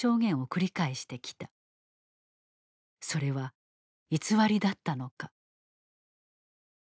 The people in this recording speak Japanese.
それは偽りだったのか。